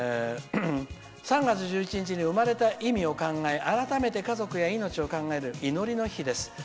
「３月１１日に生まれた意味を考え改めて家族や命を考える祈りの日です。